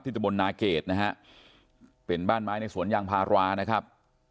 ตะบนนาเกรดนะฮะเป็นบ้านไม้ในสวนยางพารานะครับ